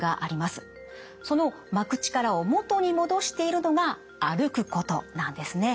その巻く力を元に戻しているのが歩くことなんですね。